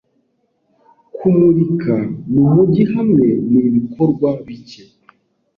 Kumurika mumujyi hamwe nibikorwa bike